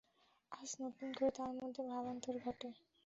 আজ নতুন করে তার মধ্যে ভাবান্তর ঘটে।